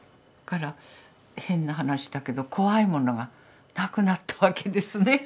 だから変な話だけど怖いものがなくなったわけですね。